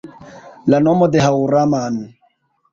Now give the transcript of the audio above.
La nomo de Haŭraman